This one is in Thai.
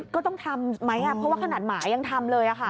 ก็ต้องทำไหมเพราะว่าขนาดหมายังทำเลย